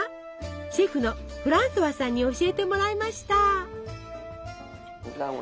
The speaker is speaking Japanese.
シェフのフランソワさんに教えてもらいました。